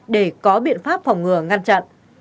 để có biện pháp phòng ngừa ngăn chặn